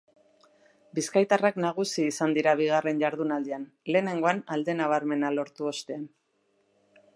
Bizkaitarrak nagusi izan dira bigarren jardunaldian, lehenegoan alde nabarmena lortu ostean.